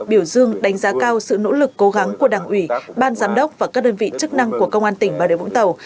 biểu dương đánh giá cao sự nỗ lực cố gắng của đảng ủy ban giám đốc và các đơn vị chức năng của công an tỉnh bà điều vũng tàu